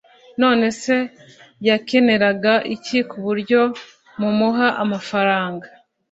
none se yakeneraga iki kuburyo mumuha amafaranga?